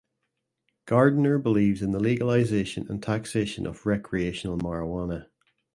Gardiner believes in the legalization and taxation of recreational marijuana.